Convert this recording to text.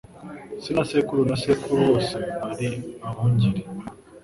Se na sekuru na sekuru bose bari abungeri.